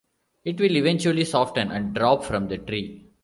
It will eventually soften and drop from the tree.